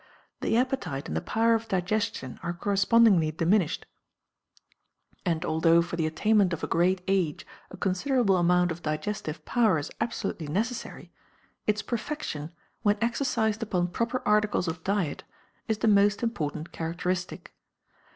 The appetite and the power of digestion are correspondingly diminished, and although for the attainment of a great age a considerable amount of digestive power is absolutely necessary, its perfection, when exercised upon proper articles of diet, is the most important characteristic.